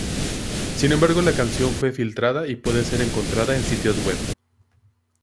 Sin embargo la canción fue filtrada y puede ser encontrada en sitios web.